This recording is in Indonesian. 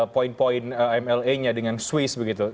poin poin mla nya dengan swiss begitu